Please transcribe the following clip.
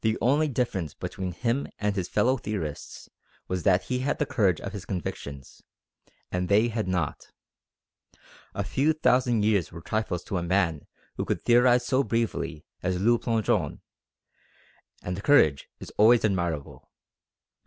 The only difference between him and his fellow theorists was that he had the courage of his convictions, and they had not. A few thousand years were trifles to a man who could theorise so bravely as Le Plongeon; and courage is always admirable.